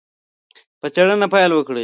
په څېړنه پیل وکړي.